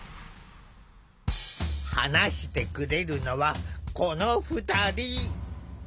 話してくれるのはこの２人。